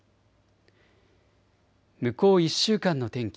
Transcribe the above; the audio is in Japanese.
向こう１週間の天気。